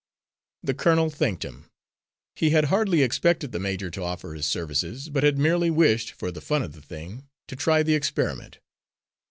The colonel thanked him. He had hardly expected the major to offer his services, but had merely wished, for the fun of the thing, to try the experiment.